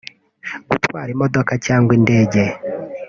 gutwara imodoka cyangwa indege